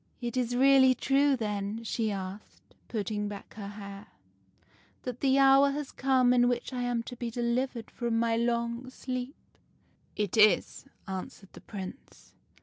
It is really true, then,' she asked, putting back her hair, ' that the hour has come in which I am to be delivered from my long sleep ?'"' It is,' answered the Prince.